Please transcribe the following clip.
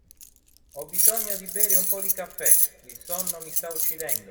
Ho bisogno di bere un po' di caffè, il sonno mi sta uccidendo.